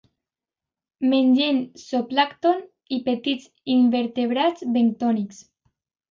Mengen zooplàncton i petits invertebrats bentònics.